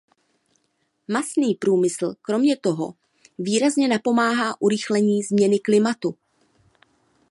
Masný průmysl kromě toho výrazně napomáhá urychlení změny klimatu.